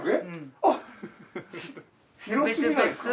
広すぎないですか？